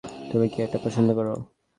তুমি কি এটা পছন্দ কর?